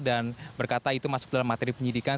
dan berkata itu masuk dalam materi penyidikan